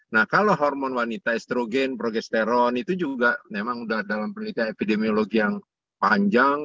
nah kalau hormon wanita estrogen progesteron itu juga memang sudah dalam penelitian epidemiologi yang panjang